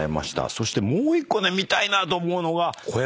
そしてもう１個ね見たいなと思うのが小籔さん。